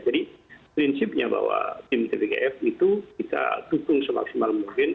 jadi prinsipnya bahwa tim tpkf itu kita tukung semaksimal mungkin